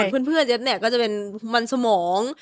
ส่วนเพื่อนเนี่ยก็จะเป็นมันสมอง